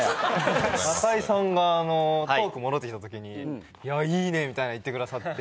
中居さんがトーク戻ってきたときに「いいね」みたいな言ってくださって。